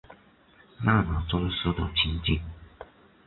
那么真实的情景